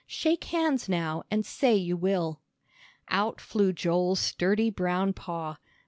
Shake hands now, and say you will." Out flew Joel's sturdy brown paw.